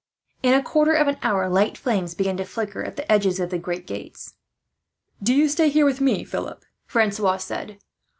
In a quarter of an hour, light flames began to flicker up at the edges of the great gates. "Do you stay here with me, Philip," Francois said.